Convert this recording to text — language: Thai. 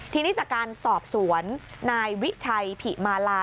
ทีนี้จากการสอบสวนนายวิชัยผิมาลา